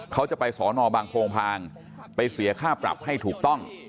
เขาจะไปสอนอบางโพงพางไปเสียค่าปรับให้ถูกต้อง